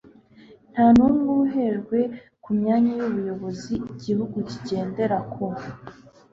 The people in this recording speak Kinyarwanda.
nta n'umwe uba ahejwe ku myanya y'ubuyobozi. igihugu kigendera ku